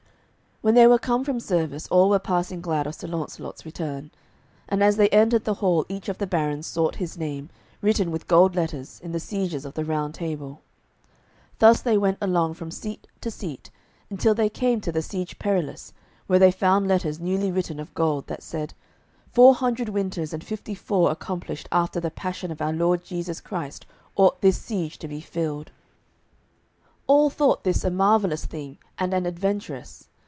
When they were come from service all were passing glad of Sir Launcelot's return. And as they entered the hall each of the barons sought his name, written with gold letters, in the sieges of the Round Table. Thus they went along from seat to seat, until that they came to the Siege Perilous, where they found letters newly written of gold, that said: "Four hundred winters and fifty four accomplished after the passion of our Lord Jesu Christ ought this siege to be filled." All thought this a marvellous thing, and an adventurous.